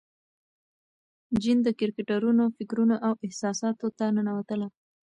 جین د کرکټرونو فکرونو او احساساتو ته ننوتله.